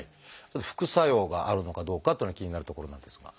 副作用があるのかどうかというのが気になるところなんですが。